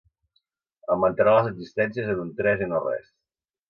Augmentarà les existències en un tres i no res.